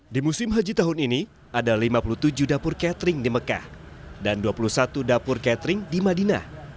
di musim haji tahun ini ada lima puluh tujuh dapur catering di mekah dan dua puluh satu dapur catering di madinah